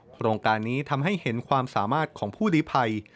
โครงการนี้ทำให้เห็นความสามารถของผู้ลิภัย